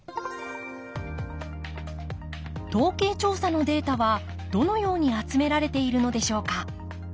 統計調査のデータはどのように集められているのでしょうか。